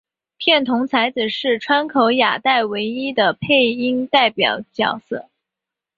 片桐彩子是川口雅代唯一的配音代表角色。